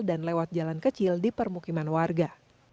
lewat jalan kecil di permukiman warga